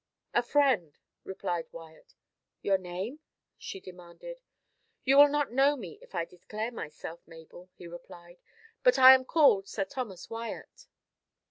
"A friend," replied Wyat. "Your name?" she demanded. "You will not know me if I declare myself, Mabel," he replied, "but I am called Sir Thomas Wyat."